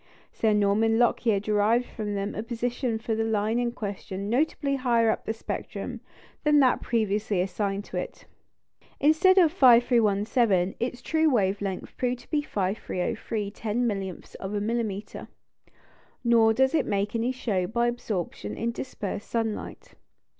Sir Norman Lockyer derived from them a position for the line in question notably higher up in the spectrum than that previously assigned to it. Instead of 5,317, its true wave length proved to be 5,303 ten millionths of a millimetre; nor does it make any show by absorption in dispersed sunlight.